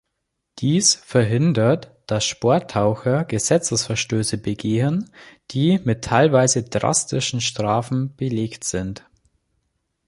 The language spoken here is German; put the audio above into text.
Dies verhindert, dass Sporttaucher Gesetzesverstöße begehen, die mit teilweise drastischen Strafen belegt sind.